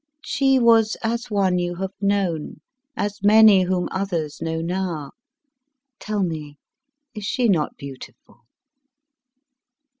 She was as one you have known, as many whom others know now. Tell me, is she not beautiful?"